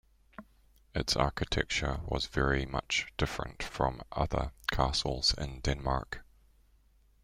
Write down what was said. Its architecture was very much different from other castles in Denmark.